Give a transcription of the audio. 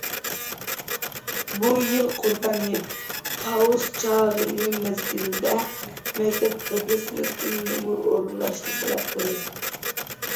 بۇ يىل قۇربان ھېيت، تاۋۇز چاغىنى مەزگىلىدە، مەكتەپ ھەربىر سىنىپتىن نومۇر ئورۇنلاشنى تەلەپ قىلدى.